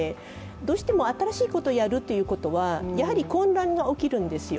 どうしても新しいことをやるということは混乱が起きるんですよ。